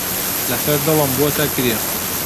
لەسەر دڵم بۆتە گرێ.